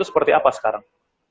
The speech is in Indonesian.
seperti apa sekarang